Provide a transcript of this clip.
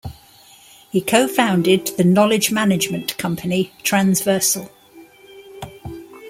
He cofounded the knowledge management company Transversal.